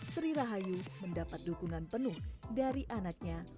sri rahayu mendapat dukungan penuh dari anaknya